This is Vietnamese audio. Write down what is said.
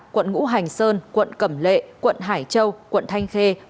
quận ngũ hành sơn thủy